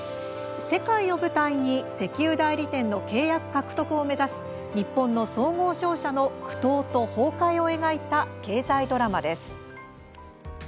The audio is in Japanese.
世界を舞台に石油代理店の契約獲得を目指す日本の総合商社の苦闘と崩壊を描いた経済ドラマです。